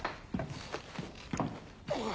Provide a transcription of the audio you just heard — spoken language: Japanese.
あ。